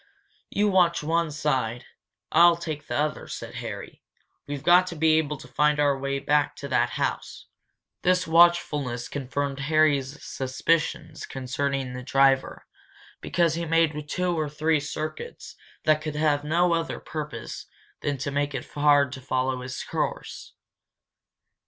"You watch one side. I'll take the other," said Harry. "We've got to be able to find our way back to that house." This watchfulness confirmed Harry's suspicions concerning the driver, because he made two or three circuits that could have no other purpose than to make it hard to follow his course.